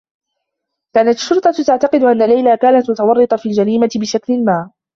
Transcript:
كانت الشّرطة تعتقد أن ليلى كانت متورّطة في الجريمة بشكل ما.